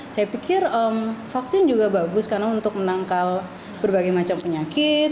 saya pikir vaksin juga bagus karena untuk menangkal berbagai macam penyakit